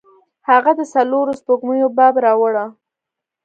هغه د څلورو سپوږمیو باب راواړوه.